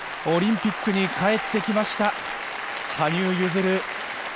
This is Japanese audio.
オリンピックに帰ってきました、羽生結弦。